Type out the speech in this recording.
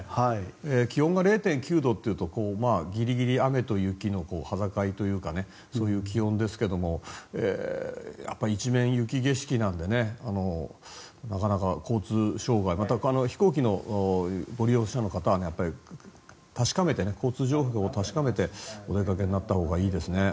気温が０．９度というとギリギリ雨と雪の葉境というかそういう気温ですが一面、雪景色なのでなかなか交通障害また飛行機のご利用者の方は交通情報を確かめてお出かけになったほうがいいですね。